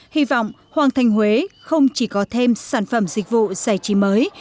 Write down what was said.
hy vọng hoàng thành huế không chỉ có thêm sản phẩm dịch vụ giải trí mới